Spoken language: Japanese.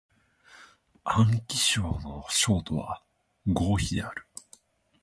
安徽省の省都は合肥である